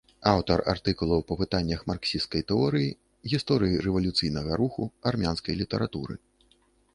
Аўтар артыкулаў па пытаннях марксісцкай тэорыі, гісторыі рэвалюцыйнага руху, армянскай літаратуры.